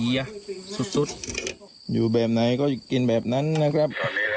นี้อี้อ่ะสุดอยู่แบบไหนก็คือกินแบบนั้นนะครับ